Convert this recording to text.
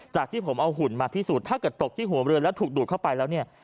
ที่ผมเอาหุ่นมาพิสูจน์ถ้าเกิดตกที่หัวเรือแล้วถูกดูดเข้าไปแล้วเนี่ย